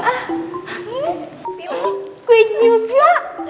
tim gue juga